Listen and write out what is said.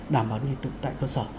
đảm bảo nhân dịch tật tự tại cơ sở